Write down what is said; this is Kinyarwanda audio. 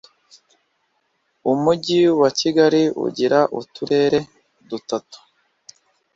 umugi wakigali ugira uturere dutatu